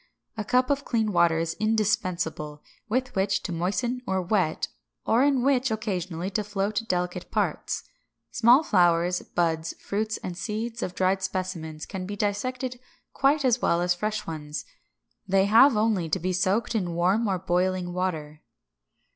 A cup of clean water is indispensable, with which to moisten or wet, or in which occasionally to float delicate parts. Small flowers, buds, fruits, and seeds of dried specimens can be dissected quite as well as fresh ones. They have only to be soaked in warm or boiling water.